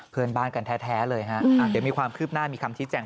เพื่อนบ้านกันแท้เลยฮะเดี๋ยวมีความคืบหน้ามีคำชี้แจง